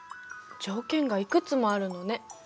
条件がいくつもあるのね。